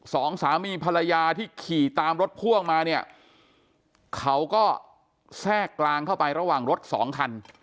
สองสามีภรรยาที่ขี่ตามรถพ่วงมาเนี่ยเขาก็แทรกกลางเข้าไประหว่างรถสองคัน